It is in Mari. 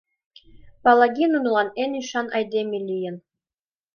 Палаги нунылан эн ӱшан айдеме лийын.